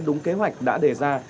đúng kế hoạch đã đề ra